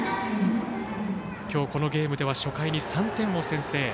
今日、このゲームでは初回に３点を先制。